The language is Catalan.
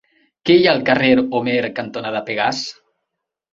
Què hi ha al carrer Homer cantonada Pegàs?